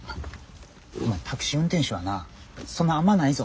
お前タクシー運転手はなそんな甘ないぞ。